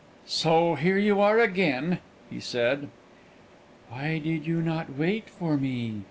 "So here you are again!" he said. "Why did you not wait for me?"